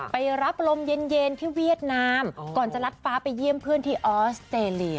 ไปรับลมเย็นที่เวียดนามก่อนจะรัดฟ้าไปเยี่ยมเพื่อนที่ออสเตรเลีย